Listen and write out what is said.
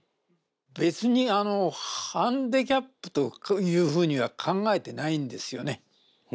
別にあのハンディキャップというふうには考えてないんですよね。